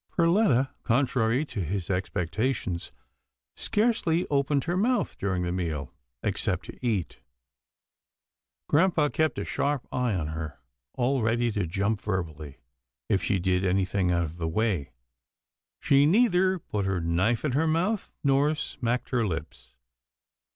Perletta, contrary to his expectations, scarcely opened her mouth during the meal, except to eat. HANK BREAKS IMPORTANT NEWS 327 Grampa kept a sharp eye on her, all ready to jump verbally, if she did anything out of the way. She neither put her knife in her mouth, nor smacked her lips.